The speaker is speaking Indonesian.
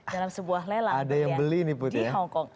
dalam sebuah lelang berlian di hongkong